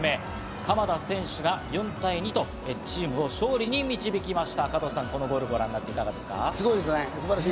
鎌田選手が４対２とチームを勝利に導きました。